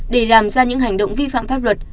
để làm ra những hành động vi phạm pháp luật